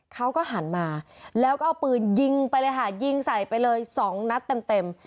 เขาก็หันมาแล้วก็เอาปืนยิงไปเลยค่ะยิงใส่ไปเลยสองนัดเต็ม